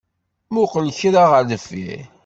Muqel kra ɣer deffir